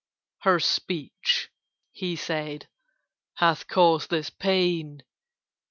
"Her speech," he said, "hath caused this pain.